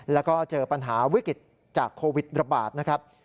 แล้วก็เจอปัญหาวิกฤตจากโควิดระบาดนะครับ